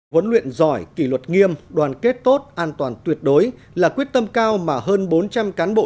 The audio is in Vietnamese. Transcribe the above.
huấn luyện giỏi kỷ luật nghiêm đoàn kết tốt an toàn tuyệt đối là quyết tâm cao mà hơn bốn trăm linh cán bộ